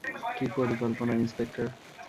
কী পরিকল্পনা, ইন্সপেক্টর?